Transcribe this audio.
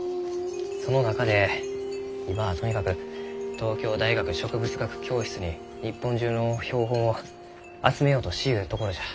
その中で今はとにかく東京大学植物学教室に日本中の標本を集めようとしゆうところじゃ。